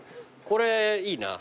これいいな。